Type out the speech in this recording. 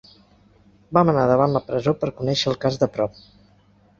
Vam anar davant la presó per conèixer el cas de prop.